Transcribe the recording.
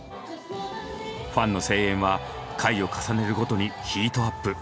ファンの声援は回を重ねるごとにヒートアップ。